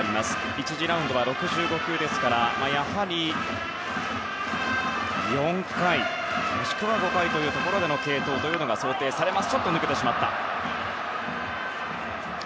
１次ラウンドは６５球なのでやはり４回もしくは５回というところでの継投が想定されます。